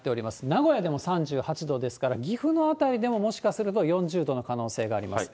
名古屋でも３８度ですから、岐阜の辺りでももしかすると４０度の可能性があります。